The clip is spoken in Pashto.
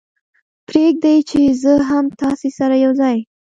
پرېږدئ چې زه هم تاسې سره یو ځای.